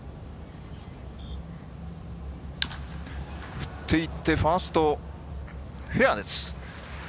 振っていってファーストフェアです。